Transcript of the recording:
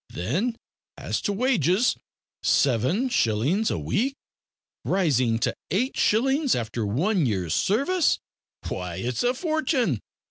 Then, as to wages, seven shillings a week, rising to eight shillings after one year's service. Why, it's a fortune!